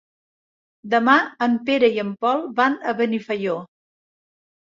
Demà en Pere i en Pol van a Benifaió.